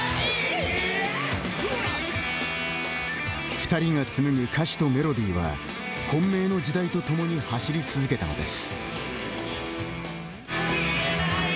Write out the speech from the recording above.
二人がつむぐ歌詞とメロディーは混迷の時代と共に走り続けたのです。